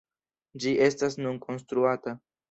Ĝi estas nun konstruata.